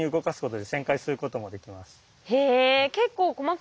へえ。